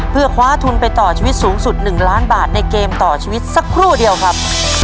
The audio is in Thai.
เพื่อคว้าทุนไปต่อชีวิตสูงสุด๑ล้านบาทในเกมต่อชีวิตสักครู่เดียวครับ